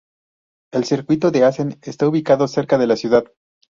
El circuito de Assen está ubicado cerca de la ciudad.